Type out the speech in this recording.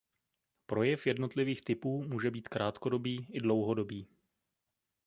Projev jednotlivých typů může být krátkodobý i dlouhodobý.